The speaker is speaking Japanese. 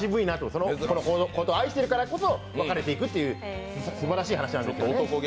その子のことを愛しているから別れていくっていうすばらしい話なんです。